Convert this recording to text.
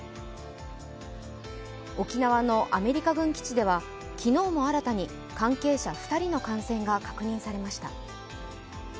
沖縄のアメリカ軍基地では昨日も新たに関係者２人の感染が確認されました。